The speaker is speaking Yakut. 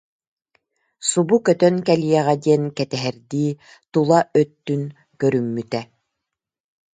субу көтөн кэлиэҕэ диэн кэтэһэрдии тула іттүн көрүммүтэ